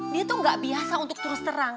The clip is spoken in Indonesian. dia tuh gak biasa untuk terus terang